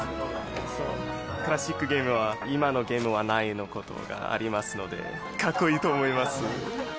クラシックゲームは、今のゲームはないのことがありますので、かっこいいと思います。